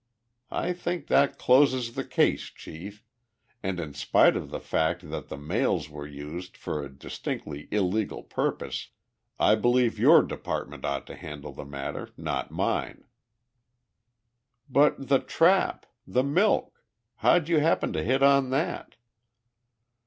I think that closes the case, Chief, and in spite of the fact that the mails were used for a distinctly illegal purpose, I believe your department ought to handle the matter not mine." "But the trap the milk? How'd you happen to hit on that?"